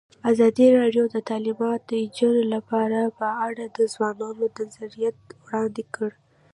ازادي راډیو د تعلیمات د نجونو لپاره په اړه د ځوانانو نظریات وړاندې کړي.